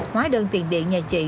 hóa đơn tiền điện nhà chị